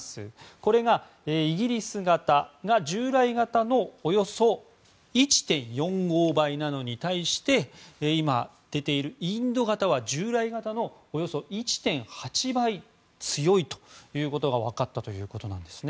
これがイギリス型が、従来型のおよそ１．４５倍なのに対して今、出ているインド型は従来型のおよそ１．８倍強いということが分かったということです。